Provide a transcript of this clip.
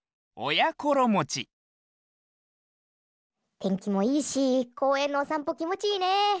てんきもいいしこうえんのおさんぽきもちいいね。